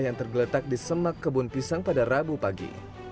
yang tergeletak di semak kebun pisang pada rabu pagi